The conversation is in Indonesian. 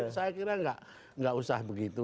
saya kira nggak usah begitu